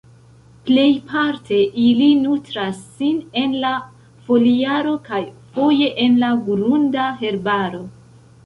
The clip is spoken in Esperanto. Plejparte ili nutras sin en la foliaro kaj foje en la grunda herbaro.